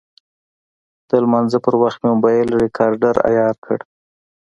د لمانځه پر وخت مې موبایل ریکاډر عیار کړ.